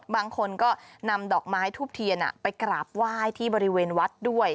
บางคนก็นำดอกไม้ทูบเทียนไปกราบไหว้ที่บริเวณวัดด้วย